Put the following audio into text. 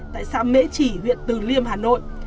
tại xã mễ trì huyện từ liêm hà nội